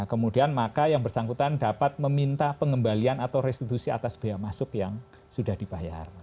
kemudian maka yang bersangkutan dapat meminta pengembalian atau restitusi atas biaya masuk yang sudah dibayar